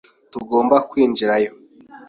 Tugomba kwinjirayo.